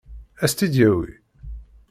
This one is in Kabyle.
Ad s-tt-id-yawi?